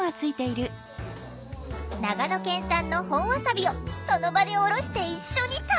長野県産の本わさびをその場でおろして一緒に食べる！